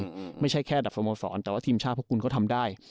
อืมไม่ใช่แค่ดับสมสอนแต่ว่าทีมชาติพวกคุณเขาทำได้